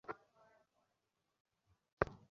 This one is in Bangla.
আমি তোকে সাধছি না।